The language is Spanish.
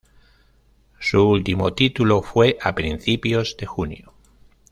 Su último título fue a principios de junio.